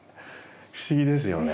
不思議ですよね。